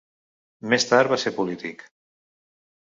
Més tard va ser polític.